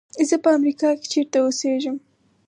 زه په امریکا کې چېرته اوسېږم.